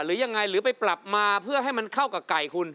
หรือยังไงหรือไปปรับมาเพื่อให้มันเข้ากับไก่คุณ